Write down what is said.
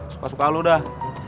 suka suka lu dah